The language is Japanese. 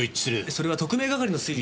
それは特命係の推理。